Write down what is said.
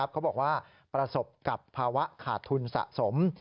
เขาบอกว่าประสบกับภาวะขาดทุนสะสม